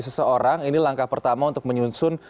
seseorang ini langkah pertama untuk menyusun